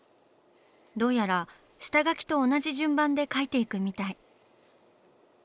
どうやら下描きと同じ順番で描いていくみたい。